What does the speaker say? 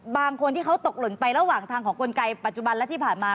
บางคนที่เขาตกหล่นไประหว่างทางของกลไกปัจจุบันและที่ผ่านมา